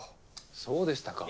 そうでしたか。